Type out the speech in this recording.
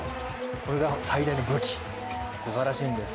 これが最大の武器、すばらしいんです。